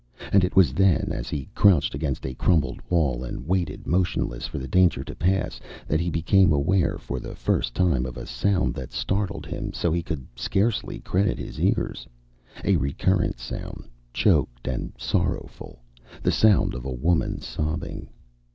And it was then, as he crouched against a crumbled wall and waited, motionless, for the danger to pass, that he became aware for the first time of a sound that startled him so he could scarcely credit his ears a recurrent sound, choked and sorrowful the sound of a woman sobbing.